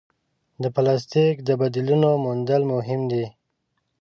د پلاسټیک د بدیلونو موندل مهم دي.